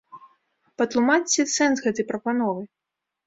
Патлумачце сэнс гэтай прапановы.